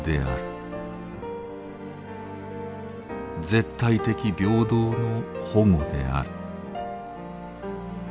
絶対的平等の保護である」。